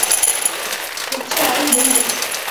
硫唑嘌呤被视为是致癌物的一种。